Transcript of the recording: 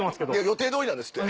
予定どおりなんですって。